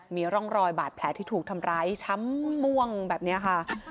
มีร่องรอยบาดแผลที่ถูกทำร้ายช้ำม่วงแบบนี้ค่ะ